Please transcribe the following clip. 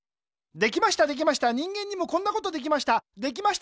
できましたできました人間にもこんなことできました。